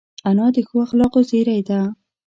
انا د ښو اخلاقو زېری ده